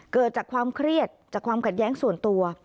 เกิดจากความเครียดจากความขัดแย้งส่วนตัว